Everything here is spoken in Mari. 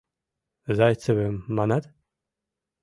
— Зайцевым, манат?!